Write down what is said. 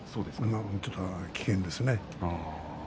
危険ですね。